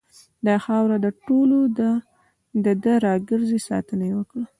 داخاوره دټولو ډ ه ده راځئ ساتنه یې وکړو .